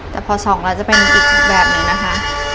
แต่พอส่องแล้วจะเป็นอีกแบบหนึ่งนะคะ